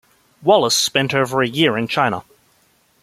Wallis spent over a year in China.